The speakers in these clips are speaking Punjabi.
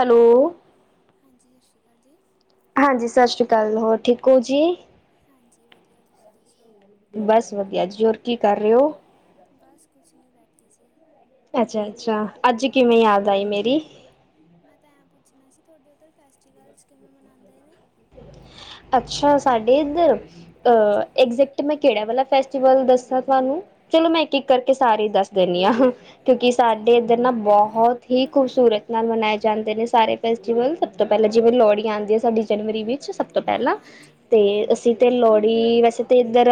ਹੈਲੋ ਜੀ ਸਤਿ ਸ਼੍ਰੀ ਅਕਾਲ ਜੀ ਹਾਂਜੀ ਸਤਿ ਸ਼੍ਰੀ ਅਕਾਲ ਹੋਰ ਠੀਕ ਹੋ ਜੀ? [inaudible] ਬਸ ਵਧੀਆ ਜੀ ਹੋਰ ਕੀ ਕਰ ਰਹੇ ਹੋ? ਬਸ ਕੁਛ ਨਹੀਂ ਬੈਠੇ ਸੀ। ਅੱਛਾ-ਅੱਛਾ, ਅੱਜ ਕਿਵੇਂ ਯਾਦ ਆਈ ਮੇਰੀ? ਪੁੱਛਣਾ ਸੀ ਤੁਹਾਡੇ ਉੱਧਰ ਫੈਸਟੀਵਲ ਕਿਵੇਂ ਮਨਾਉਦੇ ਨੇ? ਅੱਛਾ ਸਾਡੇ ਇਧਰ ਐਗਜੈਕਟ ਮੈਂ ਕਿਹੜਾ ਵਾਲਾ ਫੈਸਵਲ ਦੱਸਾਂ? ਤੁਹਾਨੂੰ ਚਲੋ ਮੈਂ ਇੱਕ-ਇੱਕ ਕਰਕੇ ਸਾਰੇ ਦੱਸ ਦਿੰਦੀ ਹਾਂ। ਕਿਉਂਕਿ ਸਾਡੇ ਇੱਧਰ ਨਾ ਬਹੁਤ ਹੀ ਖੂਬਸੂਰਤ ਨਾਲ ਮਨਾਏ ਜਾਂਦੇ ਨੇ ਸਾਰੇ ਫੈਸਟੀਵਲ ਸਭ ਤੋਂ ਪਹਿਲਾਂ। ਪਹਿਲਾਂ ਜਿਵੇਂ ਲੋਹੜੀ ਆਉਂਦੀਆਂ ਸਾਡੀ ਜਨਵਰੀ ਵਿੱਚ। ਸਭ ਤੋਂ ਪਹਿਲਾਂ ਤੇ ਅਸੀਂ ਤੇ ਲੋਹੜੀ ਵੈਸੇ ਤਾਂ ਇੱਧਰ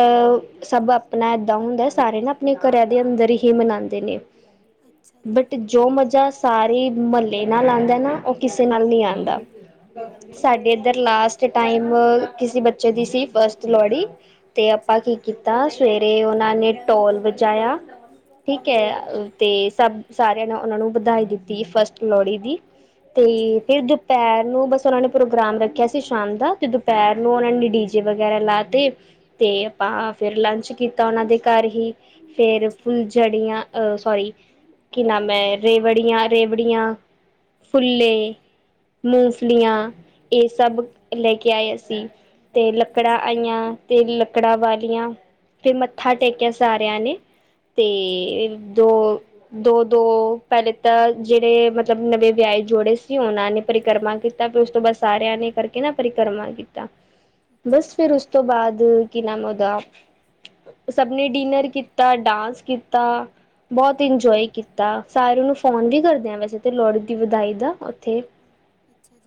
ਸਭ ਆਪਣਾ ਏਦਾਂ। ਹੁੰਦਾ ਸਾਰੇ ਨਾ ਆਪਣੇ ਘਰਾਂ ਦੇ ਅੰਦਰ ਹੀ ਮਨਾਉਂਦੇ ਨੇ। ਅੱਛਾ। ਬਟ ਜੋ ਮਜ਼ਾ ਸਾਰੇ ਮਹੱਲੇ ਨਾਲ ਆਂਦਾ ਆ ਨਾ ਉਹ ਕਿਸੇ ਨਾਲ ਨਹੀਂ ਆਂਦਾ। ਸਾਡੇ ਇੱਧਰ ਲਾਸਟ। ਟਾਈਮ ਕਿਸੇ ਬੱਚੇ ਦੀ ਸੀ ਫਸਟ ਲੋਹੜੀ ਤੇ ਆਪਾਂ ਕੀ ਕੀਤਾ ਸਵੇਰੇ ਉਹ। ਉਨ੍ਹਾਂ ਨੇ ਢੋਲ ਵਜਾਇਆ ਠੀਕ ਹੈ ਤੇ। ਸਭ ਸਾਰਿਆਂ ਨੇ ਉਹਨਾਂ ਨੂੰ ਵਧਾਈ ਦਿੱਤੀ ਫਸਟ ਲੋਹੜੀ ਦੀ। ਤੇ ਫਿਰ ਦੁਪਹਿਰ ਨੂੰ ਬਸ ਉਹਨਾਂ ਨੇ ਪ੍ਰੋਗਰਾਮ ਰੱਖਿਆ ਸੀ। ਸ਼ਾਮ ਦਾ ਤੇ ਦੁਪਹਿਰ ਨੂੰ ਉਹਨਾਂ ਨੇ ਡੀ ਜੇ ਵਗੈਰਾ ਲਾ ਤੇ ਤੇ ਆਪਾਂ ਫਿਰ ਲੰਚ ਕੀਤਾ। ਦੇ ਘਰ ਹੀ ਫੇਰ ਫੁੱਲਝੜੀਆ ਸੋਰੀ। ਕੀ ਨਾਮ ਹੈ ਰੇਵੜੀਆਂ, ਰੇਵੜੀਆਂ, ਫੁੱਲੇ। ਮੂੰਗਫਲੀਆਂ ਇਹ ਸਭ ਲੈ ਕੇ ਆਏ ਅਸੀ। ਤੇ ਲੱਕੜਾਂ ਆਈਆਂ ਤੇ ਲੱਕੜਾਂ ਵਾਲੀਆਂ। ਫਿਰ ਮੱਥਾ ਟੇਕਿਆ ਸਾਰਿਆਂ ਨੇ ਤੇ ਦੋ। ਦੋ ਦੋ ਪਹਿਲੇ ਤਾਂ ਜਿਹੜੇ ਮਤਲਬ ਨਵੇਂ ਵਿਆਹੇ ਜੋੜੇ ਸੀ ਉਹਨਾਂ ਨੇ ਪਰਿਕਰਮਾ। ਕੀਤਾ ਤੇ ਉਸ ਤੋਂ ਬਾਅਦ ਸਾਰਿਆਂ ਨੇ ਕਰਕੇ ਨਾ। ਪਰਿਕਰਮਾ ਕੀਤਾ ਬਸ ਫਿਰ ਉਸ ਤੋਂ ਬਾਅਦ ਕੀ ਨਾਮ ਉਹਦਾ। ਸਭ ਨੇ ਡਿਨਰ ਕੀਤਾ ਡਾਂਸ ਕੀਤਾ ਬਹੁਤ ਇੰਜੋਏ ਕੀਤਾ ਸਾਰਿਆਂ ਨੂੰ ਫੋਨ ਵੀ ਕਰਦੇ ਹਾਂ ਵੈਸੇ ਤੇ ਲੋਹੜੀ ਦੀ ਵਧਾਈ ਦਾ ਉੱਥੇ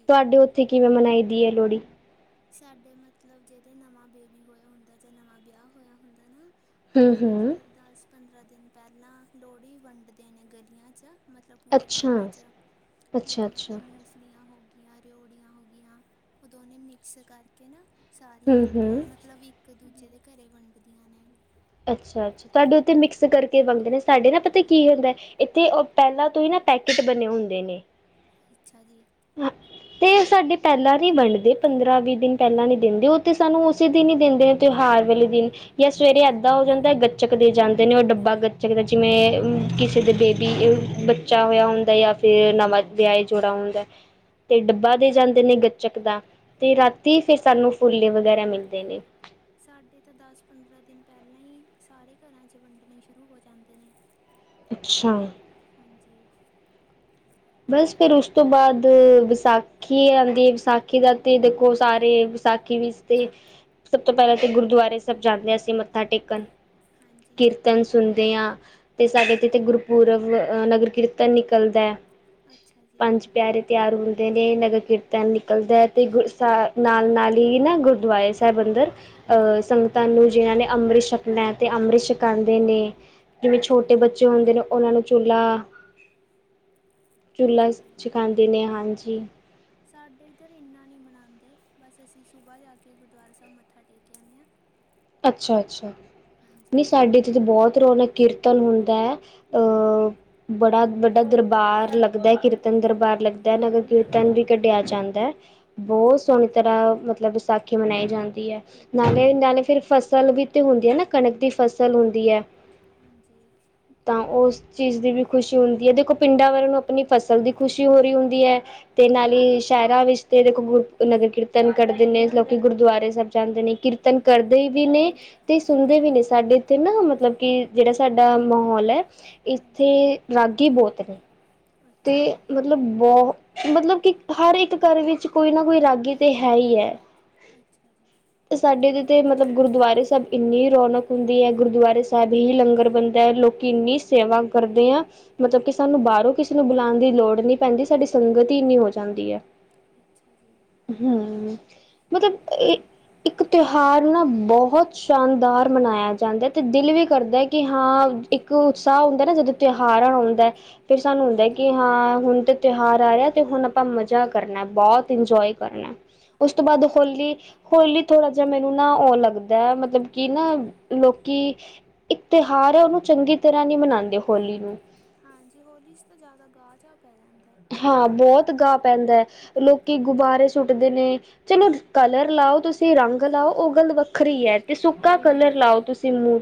ਤੁਹਾਡੇ ਉੱਥੇ ਕਿਵੇਂ ਮਨਾਈ [unintelligible] ਸਾਡੇ ਮਤਲਬ ਜਿਹਦੇ ਨਵਾਂ ਬੇਬੀ ਹੋਇਆ ਹੁੰਦਾ ਜਾਂ ਨਵਾਂ ਵਿਆਹ ਹੋਇਆ ਹੁੰਦਾ ਨਾ ਉਹਦੇ ਮਤਲਬ ਦਸ ਪੰਦਰਾਂ ਦਿਨ ਪਹਿਲਾਂ ਲੋਹੜੀ ਵੰਡਦੇ ਨੇ ਗਲੀਆਂ ਚ ਮਤਲਬ ਪੂਰੇ ਪਿੰਡ ਚ ਜਿਵੇਂ ਮਤਲਬ ਮੂੰਗਫਲੀਆਂ ਹੋ ਰਿਉੜੀਆਂ ਹੋ ਗਈਆ ਉਹ ਦੋਨੇ ਮਿਕਸ ਕਰਕੇ ਨਾ ਸਾਰੀਆਂ ਆਂਟੀਆਂ ਮਤਲਬ ਇੱਕ ਇੱਕ ਦੂਜੇ ਦੇ ਘਰੇ ਵੰਡਦੀਆਂ ਨੇ ਅੱਛਾ ਅੱਛਾ ਤੁਹਾਡੇ ਉੱਥੇ ਮਿਕਸ ਕਰਕੇ ਬਣਦੇ ਨੇ ਸਾਡੇ ਨਾ ਪਤਾ ਕੀ ਹੁੰਦਾ ਇੱਥੇ ਪਹਿਲਾਂ ਤੋਂ ਹੀ ਨਾ ਪੈਕਟ ਬਣੇ ਹੁੰਦੇ ਨੇ [unintelligible] [unintelligible] ਤੇ ਸਾਡੇ ਪਹਿਲਾਂ ਵੀ ਵੰਡਦੇ ਪੰਦਰਾਂ ਵੀਹ ਦਿਨ ਪਹਿਲਾਂ ਨੀ ਦਿੰਦੇ ਉਹ ਤੇ ਸਾਨੂੰ ਉਸੇ ਦਿਨ ਹੀ ਦਿੰਦੇ ਤਿਉਹਾਰ। ਅਗਲੇ ਦਿਨ ਜਾਂ ਸਵੇਰੇ ਏਦਾਂ ਹੋ ਜਾਂਦਾ ਗੱਚਕ ਦੇ ਜਾਂਦੇ ਨੇ ਉਹ ਡੱਬਾ ਗੱਚਕ ਦਾ ਜਿਵੇਂ ਕਿਸੇ ਬੇਬੀ ਬੱਚਾ ਹੋਇਆ ਹੁੰਦਾ ਜਾਂ ਫਿਰ ਨਵਾਂ ਵਿਆਹੇ ਤੇ ਡੱਬਾ ਦੇ ਜਾਂਦੇ ਨੇ ਗੱਚਕ ਦਾ ਤੇ ਰਾਤੀ ਫਿਰ ਸਾਨੂੰ ਫੁੱਲੇ ਵਗੈਰਾ ਮਿਲਦੇ ਨੇ। ਸਾਡੇ ਤਾਂ ਦਸ ਪੰਦਰਾਂ ਦਿਨ ਪਹਿਲਾਂ ਹੀ ਸਾਰੇ ਘਰਾਂ ਚ ਵੰਡਣੇ ਸ਼ੁਰੂ ਹੋ ਜਾਂਦੇ ਨੇ। ਅੱਛਾ ਬਸ ਫਿਰ ਉਸ ਤੋਂ ਬਾਅਦ ਵਿਸਾਖੀ ਆਉਂਦੀ ਵਿਸਾਖੀ ਤੇ ਦੇਖੋ ਸਾਰੇ ਵਿਸਾਖੀ ਵਿੱਚ ਤੇ ਤੋਂ ਪਹਿਲਾਂ ਤੇ ਗੁਰਦੁਆਰੇ ਸਹਿਬ ਜਾਂਦੇ ਸੀ ਮੱਥਾ ਟੇਕਣ ਕੀਰਤਨ ਸੁਣਦੇ ਹਾਂ ਤੇ ਸਾਡੇ ਇਥੇ ਗੁਰਪੁਰਬ ਅਹ ਨਗਰ ਕੀਰਤਨ ਤਾਂ ਨਿਕਲਦਾ ਪੰਜ ਪਿਆਰੇ ਤਿਆਰ ਹੁੰਦੇ ਨੇ, ਨਗਰ ਕੀਰਤਨ ਨਿਕਲਦਾ ਤੇ [unintelligible] ਗੁਰਸਾਨਾਲ ਨਾਲ ਹੀ ਨਾ ਗੁਰਦੁਆਰੇ ਸਾਹਿਬ ਅੰਦਰ ਅਹ ਸੰਗਤਾਂ ਨੂੰ ਜਿਨ੍ਹਾਂ ਨੇ ਅੰਮ੍ਰਿਤ ਛਕਨਾ ਤੇ ਅੰਮ੍ਰਿਤ ਸ਼ੱਕ ਕਰਾਂਦੇ ਨੇ ਜਿਵੇਂ ਛੋਟੇ ਬੱਚੇ ਹੁੰਦੇ ਨੇ ਉਹਨਾਂ ਨੂੰ ਚੂਲਾ ਚੁਲਾ ਛੱਕਾਂਦੇ ਨੇ ਹਾਂਜੀ ਮਨਾਉਂਦੇ ਬਸ ਅਸੀਂ ਸੁਬਾ ਜਾ ਕੇ ਗੁਰਦੁਆਰਾ ਸਾਹਿਬ ਮੱਥਾ ਟੇਕ ਆਂਦੇ ਆ ਅੱਛਾ, ਅੱਛਾ ਨੀ ਸਾਡੇ ਇੱਥੇ ਤਾਂ ਬਹੁਤ ਰੋਣਕ ਕੀਰਤਨ ਹੁੰਦਾ ਅ ਬੜਾ ਵੱਡਾ ਦਰਬਾਰ ਲੱਗਦਾ, ਕੀਰਤਨ ਦਰਬਾਰ ਲੱਗਦਾ, ਨਗਰ ਕੀਰਤਨ ਵੀ ਕੱਢਿਆ ਜਾਂਦਾ। ਬਹੁਤ ਸੋਹਣੀ ਤਰ੍ਹਾਂ ਮਤਲਬ ਵਿਸਾਖੀ ਮਨਾਈ ਜਾਂਦੀ ਹੈ ਨਾਲੇ ਨਾਲੇ ਫਿਰ। ਫਸਲ ਵੀ ਤੇ ਹੁੰਦੀ ਹੈ ਕਣਕ ਦੀ ਫਸਲ ਹੁੰਦੀ ਹੈ। ਤਾਂ ਉਸ ਚੀਜ਼ ਦੀ ਵੀ ਖੁਸ਼ੀ ਹੁੰਦੀ ਹੈੋ। ਦੇਖੋ ਪਿੰਡਾਂ ਵਰ ਨੂੰ ਆਪਣੀ ਫਸਲ ਦੀ ਖ਼ੁਸ਼ੀ ਹੋ ਰਹੀ ਹੁੰਦੀ ਹੈ ਤੇ ਨਾਲ ਹੀ ਸ਼ਹਿਰਾਂ ਵਿੱਚ ਤੇ ਦੇਖੋ ਗੁਰ ਨਗਰ ਕੀਰਤਨ ਕਰਦੇ ਨੇ, ਲੋਕੀ ਗੁਰਦੁਆਰੇ ਸਾਹਿਬ ਜਾਂਦੇ ਨੇ, ਕੀਰਤਨ ਕਰਦੇ। ਵੀ ਨੇ ਤੇ ਸੁਣਦੇ ਵੀ ਨੇ ਸਾਡੇ ਇੱਥੇ ਨਾ ਮਤਲਬ ਕਿ ਜਿਹੜਾ ਸਾਡਾ ਮਾਹੌਲ ਹੈ। ਇੱਥੇ ਰਾਗੀ ਬਹੁਤ ਨੇ ਤੇ ਮਤਲਬ ਬਹੁਤ ਮਤਲਬ ਕਿ ਹਰ ਇੱਕ ਘਰ ਵਿੱਚ ਕੋਈ ਨਾ ਕੋਈ ਰਾਗੀ ਤੇ ਹੈ ਹੀ ਹੈ। ਅੱਛਾ ਜੀ ਸਾਡੇ ਤੇ ਤੇ ਮਤਲਬ ਗੁਰਦੁਆਰੇ ਸਾਹਿਬ ਇੰਨੀ ਰੌਣਕ ਹੁੰਦੀ ਹੈ ਗੁਰਦੁਆਰੇ ਸਾਹਿਬ ਹੀ ਲੰਗਰ ਬਣਦ ਲੋਕੀ ਇੰਨੀ ਸੇਵਾ ਕਰਦੇ ਆ ਮਤਲਬ ਕਿ ਸਾਨੂੰ ਬਾਹਰੋਂ ਨੂੰ ਬੁਲਾਉਣ ਦੀ ਲੋੜ ਨਹੀਂ ਪੈਂਦੀ ਸਾਡੀ ਸੰਗਤ ਹੀ ਇੰਨੀ ਹੋ ਜਾਂਦੀ ਹੈ। ਹਮ ਮਤਲਬ ਇਹ ਇੱਕ ਤਿਉਹਾਰ ਨਾ ਬਹੁਤ ਸ਼ਾਨਦਾਰ ਮਨਾਇਆ ਜਾਂਦਾ ਅਤੇ ਦਿਲ ਵੀ ਕਰਦਾ ਕਿ ਹਾਂ ਇੱਕ ਉਤਸ਼ਾਹ ਹੁੰਦਾ ਨਾ ਜਦੋਂ ਤਿਉਹਾਰ ਆ ਆਉਂਦਾ ਫੇਰ ਸਾਨੂੰ ਕਿ ਹਾਂ ਹੁਣ ਤੇ ਤਿਉਹਾਰ ਆ ਰਿਹਾ ਤੇ ਹੁਣ ਆਪਾਂ ਮਜਾ ਕਰਨਾ ਬਹੁਤ ਇੰਜੋਏ ਕਰਨਾ ਉਸ ਤੋਂ ਬਾਅਦ ਹੋਲੀ ਹੋਲੀ ਥੋੜਾ ਜਿਹਾ ਮੈਨੂੰ ਨਾ ਉਹ ਲੱਗਦਾ ਮਤਲਬ ਕਿ ਨਾ ਲੋਕੀ। ਤਿਉਹਾਰ ਹੈ। ਉਹਨੂੰ ਚੰਗੀ ਤਰ੍ਹਾਂ ਨੀ ਮਨਾਉਂਦੇ ਹੋਲੀ ਨੂੰ। ਹਾਂ ਜੀ ਹੋਲੀ ਚ ਜਾ। ਹਾਂ ਬਹੁਤ ਗਾ ਪੈਂਦਾ ਹੈ। ਲੋਕੀ ਗੁਬਾਰੇ ਸੁੱਟਦੇ ਨੇ। ਚਲੋ ਕਲਰ ਲਾਓ। ਤੁਸੀਂ ਰੰਗ ਲਾਓ। ਉਹ ਗੱਲ ਵੱਖਰੀ ਹੈ ਤੇ ਸੁੱਕਾ ਕਲਰ ਲਾਓ। ਤੁਸੀਂ ਮੂੰਹ।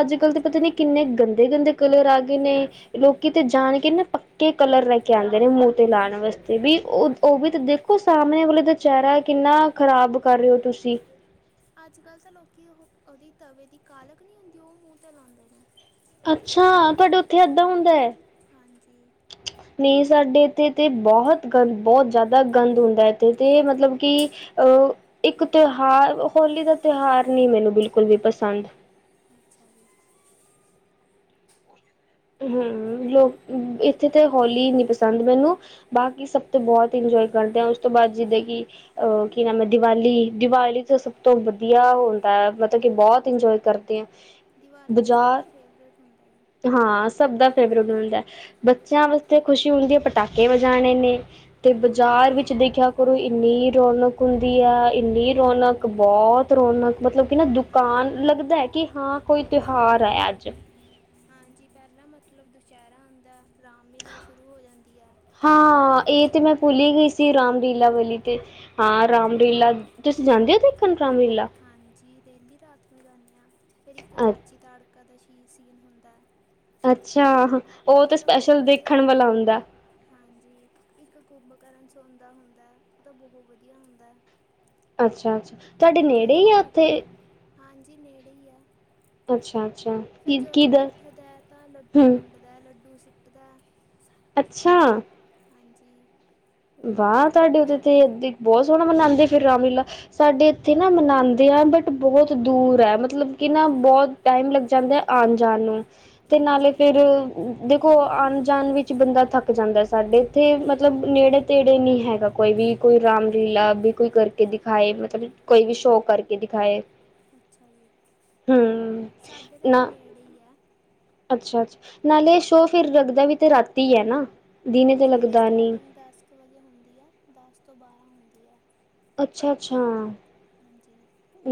ਅੱਜ ਕੱਲ ਤੇ ਪਤਾ ਨੀ ਕਿੰਨੇ ਗੰਦੇ ਗੰਦੇ ਕਲਰ ਆ ਗਏ। ਨੇ ਲੋਕੀ ਤੇ ਜਾਣ ਕੇ ਨਾ ਪੱਕੇ ਕਲਰ ਲੈ ਕੇ ਆਉਂਦੇ ਨੇ। ਲਾਉਣ ਵਾਸਤੇ ਵੀ ਉਹ ਉਹ ਵੀ ਤਾਂ ਦੇਖੋ ਸਾਹਮਣੇ ਵਾਲੇ ਦਾ ਚਿਹਰਾ ਕਿੰਨਾ ਖ਼ਰਾਬ ਕਰ ਰਹੇ ਹੋ ਤੁਸੀਂ। ਅੱਜ ਕਲ੍ਹ ਤਾਂ ਲੋਕੀ ਉਹ ਉਹਦੀ ਤਵੇ ਦੀ ਕਾਲਖ਼ ਨੀ ਹੁੰਦੀ। ਉਹ ਮੂੰਹ ਤੇ ਲਾਉਂਦੇ ਨੇ। ਅੱਛਾ। ਤੁਹਾਡੇ ਉੱਥੇ ਏਦਾਂ ਹੁੰਦਾ ਹੈ। ਨਹੀਂ ਸਾਡੇ ਇੱਥੇ ਤੇ। ਬਹੁਤ ਗੰਦ। ਬਹੁਤ ਜ਼ਿਆਦਾ ਗੰਦ ਹੁੰਦਾ। ਇੱਥੇ ਤੇ ਮਤਲਬ ਕਿ ਅ ਇੱਕ ਤਿਉਹਾਰ। ਹੋਲੀ ਦਾ ਤਿਉਹਾਰ ਨੀ ਮੈਨੂੰ ਬਿਲਕੁਲ ਵੀ ਪਸੰਦ। [inaudible] ਹਮ। ਲੋਕ ਇੱਥੇ ਤੇ ਹੋਲੀ ਨੀ ਪਸੰਦ ਮੈਨੂੰ ਬਾਕੀ ਸਭ ਤੋਂ ਬਹੁਤ। ਇੰਜ ਕਰਦੇ ਹਾਂ। ਉਸ ਤੋਂ ਬਾਅਦ ਜਿੱਦਾਂ ਕਿ ਇਹ ਕੀ ਨਾਮ ਹੈ ਦੀਵਾਲੀ। ਦੀਵਾਲੀ ਤੋਂ ਸਭ ਤੋਂ ਵ। ਵਧੀਆ ਹੁੰਦਾ ਹੈ ਮਤਲਬ ਕਿ ਬਹੁਤ ਇੰਜੋਏ ਕਰਦੇ ਆ। ਦੀਵਾਲੀ ਤੇ ਸਭ ਦਾ ਫੇਵਰੇਟ ਹੁੰਦਾ ਜੀ। ਸਭ ਦਾ ਫੇਵਰੇਟ ਹੁੰਦਾ। ਬੱਚਿਆਂ ਵਾਸਤੇ ਖੁਸ਼ੀ ਹੁੰਦੀ ਹੈ ਪਟਾਕੇ ਵਜਾਣੇ ਨੇ ਤੇ। ਬਾਜ਼ਾਰ ਵਿੱਚ ਦੇਖਿਆ। ਬਈ ਇੰਨੀ ਰੌਣਕ ਹੁੰਦੀ ਹੈ। ਇੰਨੀ ਰੌਣਕ। ਬਹੁਤ ਰੌਣਕ ਮਤਲਬ ਕਿ ਨਾ ਦੁਕਾਨ। ਹ ਲੱਗਦਾ ਹੈ ਕਿ ਹਾਂ ਕੋਈ ਤਿਉਹਾਰ ਹੈ ਅੱਜ। ਹਾਂ ਜੀ ਪਹਿਲਾਂ ਮਤਲਬ ਦੁਸ਼ਹਿਰਾ ਆਉਂਦਾ। ਹਾਂ ਇਹ ਤੇ ਮੈਂ ਭੁੱਲ ਹੀ ਗਈ ਸੀ ਰਾਮਲੀਲਾ ਵਾਲੀ। ਤੇ ਹਾਂ ਰਾਮਲੀਲਾ। ਤੁਸੀਂ ਜਾਂਦੇ ਹੋ ਦੇਖਣ ਰਾਮਲੀਲਾ? ਫਿਰ ਇੱਕ ਚਾਚੀ ਤਾੜਕਾ ਦਾ ਸੀ਼ ਸੀਨ ਹੁੰਦਾ ਹੈ। ਅੱਛਾ। ਉਹ ਤੇ ਸਪੈਸ਼ਲ ਦੇਖਣ ਵਾਲਾ ਹੁੰਦਾ। ਕਰਨ ਸੌਦਾ ਹੁੰਦਾ ਤਾਂ ਬਹੁਤ ਵਧੀਆ ਹੁੰਦਾ। ਅੱਛਾ ਅੱਛਾ ਤੁਹਾਡੇ ਨੇੜੇ ਹੀ ਆ ਉੱਥੇ। ਜੇ ਨੇੜੇ ਆ [inaudible] ਅੱਛਾ। ਫੇਰ ਜਦੋਂ ਉੱਠਦਾ ਤਾਂ ਲੱਡੂ ਵੰਡਦਾ ਲੱਡੂ ਸਿੱਟਦਾ। ਅੱਛਾ। ਹਾਂ ਜੀ। ਵਾਹ ਸਾਡੇ ਉੱਥੇ ਤੇ ਬਹੁਤ ਸੋਹਣਾ ਮਨਾਉਂਦੇ ਫਿਰ ਰਾਮਲੀਲਾ। ਸਾਡੇ ਇੱਥੇ ਨਾ ਮਨਾਉਂਦੇ ਆ। ਬਟ ਬਹੁਤ ਦੂਰ ਹੈ ਮਤਲਬ ਕਿ ਨਾ ਬਹੁਤ ਟਾਈਮ ਲੱਗ ਜਾਂਦਾ ਆਉਣ ਜਾਣ ਨੂੰ। ਤੇ ਨਾਲੇ ਫੇਰ ਦੇਖੋ ਆਉਣ ਜਾਣ ਵਿੱਚ ਬੰਦਾ ਥੱਕ ਜਾਂਦਾ ਸਾਡੇ ਇੱਥੇ ਮਤਲਬ। ਨੇੜੇ। ਤੇੜੇ ਨੀ ਹੈਗਾ ਕੋਈ ਵੀ ਕੋਈ ਰਾਮਲੀਲਾ ਵੀ ਕੋਈ ਕਰਕੇ ਦਿਖਾਏ। ਮਤਲਬ ਕੋਈ ਵੀ ਸ਼ੋਅ ਕਰਕੇ ਦਿ। ਹਾਏ। ਅੱਛਾ। ਹਮ ਨਾ। ਅੱਛਾ ਅੱਛਾ। ਨਾਲੇ ਸ਼ੋਅ ਫਿਰ ਲਗਦਾ ਵੀ ਤੇ ਰਾਤੀ ਹੈ ਨਾ। ਦਿਨੇ ਤੇ ਲੱਗਦਾ ਨੀ। ਆ ਦਸ ਤੋਂ ਬਾਰਾਂ। ਅੱਛਾ ਅੱਛਾ।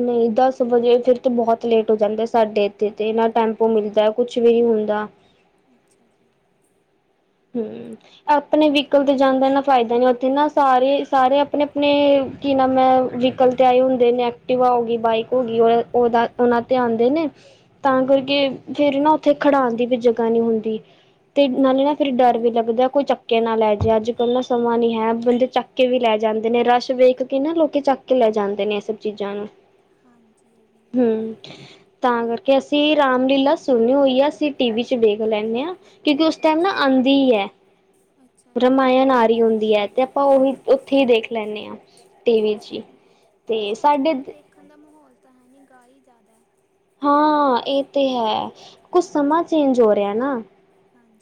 ਨਹੀਂ ਦਸ ਵਜੇ ਫਿਰ ਤਾਂ ਬਹੁਤ ਲੇਟ ਹੋ ਜਾਂਦੇ। ਸਾਡੇ ਇੱਥੇ ਤੇ ਨਾ ਟੈਂਪੋ ਮਿਲਦਾ ਕੁਝ ਵੀ ਨੀ ਹੁੰਦਾ। [unintelligible] ਹਮ ਆਪ। ਅਪਣੇ ਵਈਕਲ ਤੇ ਜਾਣ ਦਾ ਇਨਾ ਫ਼ਾਇਦਾ ਨੀ ਉੱਥੇ ਨਾ ਸਾਰੇ ਸਾਰੇ ਅਪਣੇ -ਅਪਣੇ ਕੀ ਨਾਮ ਐ ਵਈਕਲ ਆਏ ਹੁੰਦੇ ਨੇ ਐਕਟਿਵਾ ਓ ਗੀ ਬਾਈਕ ਓ ਗੀ ਉਹਦਾ ਉਹਨਾਂ ਤੇ ਆਂਦੇ ਨੇ ਤਾਂ ਕਰਕੇ ਫੇਰ ਨਾ ਉੱਥੇ ਖਿੜਾਣ ਦੀ ਵੀ ਜਗ੍ਹਾ ਨੀ ਹੁੰਦੀ ਤੇ ਨਾਲੇ ਨਾ ਫੇਰ ਡਰ ਵੀ ਲੱਗਦਾ ਕੋਈ ਚ ਚੱਕ ਕੇ ਨਾ ਲੈ ਜੇ ਅੱਜ ਕੱਲ੍ਹ ਨਾ ਸਮਾਂ ਨੀ ਹੈ ਬੰਦੇ ਚੱਕ ਕੇ ਵੀ ਲੈ ਜਾਂਦੇ ਨੇ ਰਸ਼ ਵੇਖ ਕੇ ਨਾ ਲੋਕੀ ਚੱਕ ਕੇ ਲੈ ਜਾਂਦੇ ਨੇ ਇਹ ਸਬ ਚੀਜ਼ਾਂ ਨੂੰ। ਹਾਂ ਹੂੰ ਤਾਂ ਤਾਂ ਕਰਕੇ ਅਸੀਂ ਰਾਮ ਲੀਲਾ ਸੁਣੀ ਹੋਈਏ ਅਸੀਂ ਟੀ ਵੀ ਚ ਵੇਖ ਲੈਂਨੇ ਆ ਕਿਉਂਕਿ ਉਸ ਟਾਈਮ ਨਾ ਦੀ ਐ ਰਮਾਇਨ ਆਰੀ ਹੁੰਦੀ ਐ ਤੇ ਆਪਾਂ ਉਵੀ ਉੱਥੇ ਹੀ ਦੇਖ ਲੈਂਨੇ ਆ ਟੀਵੀ ਚ ਈ ਤੇ ਸਾਡੇ ਮਾਹੌਲ ਤਾਂ ਹੈ ਨੀ ਗਾ ਈ ਜੈਦਾ। ਹਾਂ, ਇਹ ਤੇ ਹੈ ਕੁਛ ਸਮਾਂ ਚੇਂਜ ਹੋ ਰਿਆ ਨਾ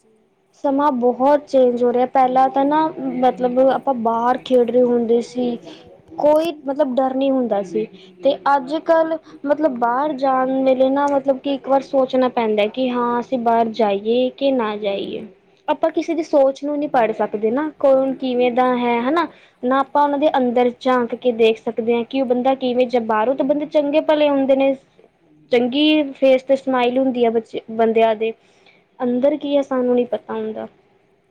[inaudible] ਸਮਾਂ ਬਹੁਤ ਚੇਂਜ ਹੋ ਰਿਆ ਪਹਿਲਾਂ ਤਾਂ ਨਾ ਮਤਲਬ ਆਪਾਂ ਬਾਹਰ ਖੇਡ ਰਏ ਹੁੰਦੇ ਸੀ ਕੋਈ ਮਤਲਬ ਡਰ ਨੀ ਹੁੰਦਾ ਸੀ। ਤੇ ਅੱਜ ਕੱਲ ਮਤਲਬ ਬਾਹਰ ਜਾਣ ਵੇਲੇ ਨਾ ਮਤਲਬ ਕਿ ਇੱਕ ਵਾਰ ਸੋਚਣਾ ਪੈਂਦਾ ਕਿ ਹਾਂ ਅਸੀਂ ਬਾਹਰ ਜਾਈਏ ਕੇ ਨਾ? ਜਾਈਏ ਆਪਾਂ ਕਿਸੇ ਦੀ ਸੋਚ ਨੂੰ ਨਹੀਂ ਪੜ ਸਕਦੇ ਨਾ ਕੋੌਣ ਕਿਵੇਂ ਦਾ ਹੈ ਹੈਨਾ ਨਾ? ਆਪਾਂ ਉਹਨਾਂ ਦੇ ਅੰਦਰ ਝਾਂਕ ਕੇ ਦੇਖ ਸਕਦੇ ਆ ਕਿ ਉਹ ਬੰਦਾ ਕਿਵੇਂ ਜਾ ਬਾਹਰੋਂ ਤਾਂ ਬੰਦੇ ਚੰਗੇ ਭਲੇ ਆਉਂਦੇ ਨੇ ਚੰਗੀ ਫੇਸ ਤੇ ਸਮਾਈਲ ਹੁੰਦੀ ਐ ਬੱਚੇ, ਬੰਦਿਆਂ ਦੇ ਅੰਦਰ ਕੀ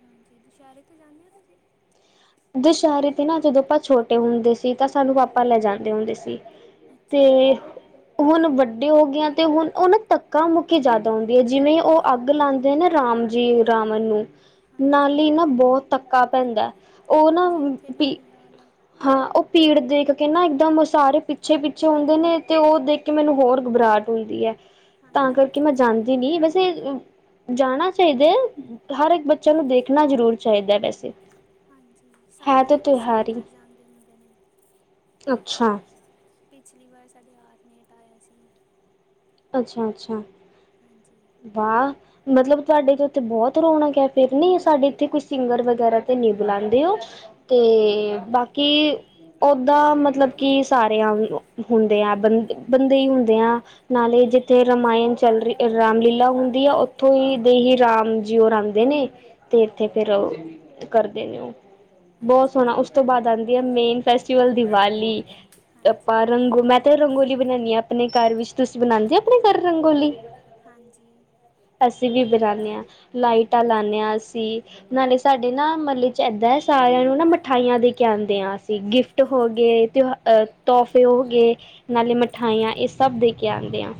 ਹਾਂਜੀ ਦੁਸ਼ਹਿਰੇ ਤੇ ਜਾਂਨੇ ਓ ਤੁਸੀਂ? ਦੁਸ਼ਹਿਰੇ ਤੇ ਨਾ ਜਦੋਂ ਆਪਾਂ ਛੋਟੇ ਹੁੰਦੇ ਸੀ ਤਾਂ ਸਾਨੂੰ ਪਾਪਾ ਲੈ ਜਾਂਦੇ ਹੁੰਦੇ ਸੀ। ਤੇ ਹੁਣ ਵੱਡ ਦੇ ਓਗਯਾ ਤੇ ਹੁਣ ਉਹ ਨਾ ਧੱਕਾ ਮੁੱਕੀ ਜਿਆਦਾ ਹੁੰਦੀ ਏ ਜਿਵੇਂ ਉਹ ਅੱਗ ਲਾਂਦੇ ਨੇ ਰਾਮ ਜੀ ਰਾਵਣ ਨੂੰ ਨਾਲ ਈ ਨਾ ਬਹੁਤ ਧੱਕਾ ਪੈਂਦਾ ਉਹ ਨਾ ਹੂੰ ਭੀ, ਹਾਂ ਉਹ ਭੀੜ ਦੇਖ ਕੇ ਨਾ ਇਕਦਮ ਸਾਰੇ ਪਿੱਛੇ-ਪਿੱਛੇ ਹੁੰਦੇ ਨੇ ਤੇ ਉਹ ਦੇਖ ਕੇ ਮੈਨੂੰ ਹੋਰ ਘਬਰਾਹਟ ਹੁੰਦੀ ਐ। ਤਾਂ ਕਰਕੇ ਮੈਂ ਜਾਂਦੀ ਨੀ ਵੈਸੇ ਅ ਜਾਣਾ ਚਾਈਦਾ ਐ ਹਰ ਇੱਕ ਬੱਚੇ ਨੂੰ ਦੇਖਣਾ ਜ਼ਰੂਰ ਚਾਈਦਾ ਵੈਸੇ ਸਾਡੇ ਤਾਂ ਇਥੇ ਸਿੰਗਰ ਜਾਂਦੇ ਹੁੰਦੇ ਨੇ ਪਿਛਲੀ ਵਾਰ ਸਾਡੇ ਆਰ ਨੇਤ ਆਇਆ ਸੀ ਅੱਛਾ-ਅੱਛਾ, ਵਾਹ! ਮਤਲਬ ਤੁਆਡੇ ਤੋਂ ਬਹੁਤ ਰੌਣਕ ਐ ਫੇਰ ਨਈ ਸਾਡੇ ਇੱਥੇ ਕੋਈ ਸਿੰਗਰ ਵਗੈਰਾ ਤੇ ਨੀ ਬੁਲਾਔਦੇ ਓ ਤੇ ਬਾਕੀ ਓੱਦਾਂ ਮਤਲਬ ਕਿ ਸਾਰੇ ਹੁੰਦੇ ਆ ਬੰ ਬੰਦੇ ਈ ਹੁੰਦੇ ਆ ਨਾਲੇ ਜਿੱਥੇ ਰਾਮਾਇਣ ਚੱਲ ਰੀ ਰਾਮਲੀਲਾ ਹੁੰਦੀ ਆ ਉੱਥੋਂ ਹੀ ਦੇ ਹੀ ਰਾਮ ਰਾਮਜੀ ਓਰ ਆਂਦੇ ਨੇ ਤੇ ਇੱਥੇ ਫੇਰ ਓਹ ਕਰਦੇ ਨੇ ਉਹ ਬਹੁਤ ਸੋਨਾ ਉਸ ਤੋਂ ਬਾਅਦ ਆਂਦੀ ਐ ਮੇਨ ਫੈਸਟੀਵਲ ਦੀਵਾਲੀ ਅਪਾਂ ਰੰਗੋ ਮੈਂ ਤੇ ਰੰਗੋਲੀ ਬਨਾਨੀ ਆ ਅਪਣੇ ਘਰ ਵਿੱਚ ਤੁਸੀਂ ਬਣਾਂਦੇ ਓ ਅਪਣੇ ਘਰ ਰੰਗੋਲੀ? [inaudible] ਅਸੀਂ ਵੀ ਬਨਾਨੇ ਆ, ਲਾਈਟਾਂ ਲਾਨੇ ਆ ਅਸੀਂ, ਨਾਲੇ ਸਾਡੇ ਨਾ ਮਹਲੇ ਚ ਏਦਾਂ ਐ ਸਾ ਸਾਰਿਆਂ ਨੂੰ ਨਾ ਮਿਠਾਈਆਂ ਦੇ ਕੇ ਆਂਦੇ ਆ ਅਸੀਂ, ਗਿਫਟ ਹੋ ਗਏ ਤਿਉਹਾ ਅ ਤੋਹਫ਼ੇ ਓਗੇ ਨਾਲੇ ਮਿਠਾਈਆਂ ਇਹ ਸਭ ਦੇ ਕੇ ਆਂਦੇ ਆ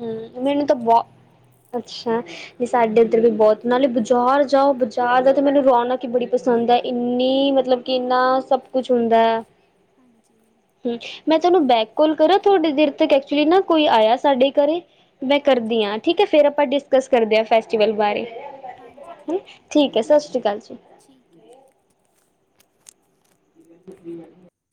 ਹੂੰ ਮੈਨੂੰ ਤਾਂ ਬਹੁ ਅੱਛਾ, ਜੀ ਸਾਡੇ ਇੱਧਰ ਵੀ ਬਹੁਤ ਨਾਲੇ ਬਜ਼ਾਰ ਜਾਓ ਬਜ਼ਾਰ ਦਾ ਤੇ ਮੈਨੂੰ ਰੌਣਕ ਈ ਬੜੀ ਪਸੰ ਪਸੰਦ ਐ, ਇੰਨੀ ਮਤਲਬ ਕਿ ਇੰਨਾ ਸਭ ਕੁਛ ਹੁੰਦਾ ਐ ਹਾਂਜੀ, ਹੂੰ ਮੈਂ ਤੁਹਨੂੰ ਬੈਕ ਕਾਲ ਕਰਾਂ ਤੁਹਾਡੇ ਦੇਰ ਤੱਕ ਐਕਚੁਲੀ ਨਾ ਕੋਈ ਆਇਆ ਸਾਡੇ ਘਰੇ, ਮੈਂ ਕਰਦੀ ਹਾਂ ਠੀਕ ਆ ਫੇਰ ਆਪਾਂ ਡਿਸਕਸ ਕਰਦੇ ਏ ਫੈਸਟੀਵਲ ਬਾਰੇ ਠੀਕ ਹੈ ਸਤਿ ਸ੍ਰੀ ਅਕਾਲ ਜੀ [inaudible] [inaudible]